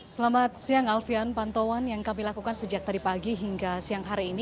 selamat siang alfian pantauan yang kami lakukan sejak tadi pagi hingga siang hari ini